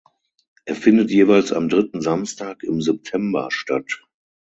Er findet jeweils am dritten Samstag im September statt.